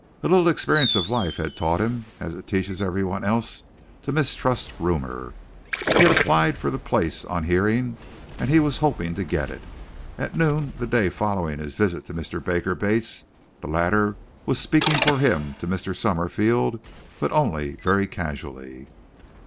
A little experience of life had taught him as it teaches everyone else to mistrust rumor. He had applied for the place on hearing and he was hoping to get it. At noon the day following his visit to Mr. Baker Bates, the latter was speaking for him to Mr. Summerfield, but only very casually.